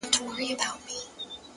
لوړې هیلې لوړې هڅې غواړي,